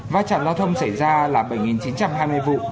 và trạm giao thông xảy ra là bảy chín trăm hai mươi vụ